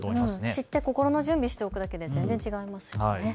知って心の準備をしておくだけで全然違いますもんね。